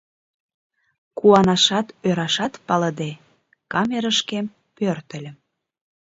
Куанашат, ӧрашат палыде, камерышкем пӧртыльым.